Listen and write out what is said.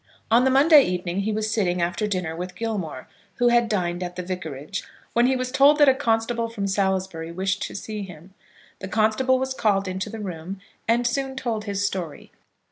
On the Monday evening he was sitting, after dinner, with Gilmore, who had dined at the vicarage, when he was told that a constable from Salisbury wished to see him. The constable was called into the room, and soon told his story.